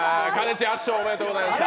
ち圧勝、おめでとうございました。